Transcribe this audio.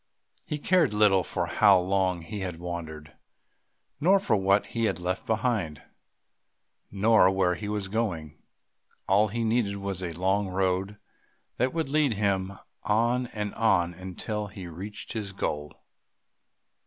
He cared little for how long he had wandered, nor for what he had left behind, nor where he was going; all he needed was a long road that would lead him on and on until he reached his goal.